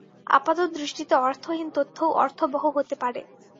আপাতদৃষ্টিতে অর্থহীন তথ্যও অর্থবহ হতে পারে।